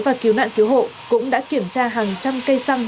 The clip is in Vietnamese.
và cứu nạn cứu hộ cũng đã kiểm tra hàng trăm cây xăng